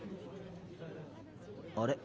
あれ？